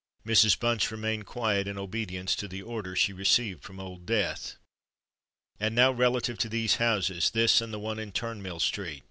Mrs. Bunce remained quiet, in obedience to the order she received from Old Death. "And now relative to these houses—this, and the one in Turnmill Street?"